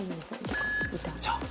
じゃあ。